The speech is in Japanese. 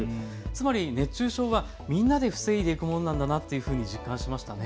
つまり熱中症はみんなで防いでいくものなんだなと実感しました。